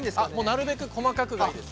なるべく細かくがいいです。